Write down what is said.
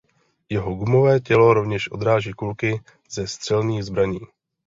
Jeho gumové tělo rovněž odráží kulky ze střelných zbraní.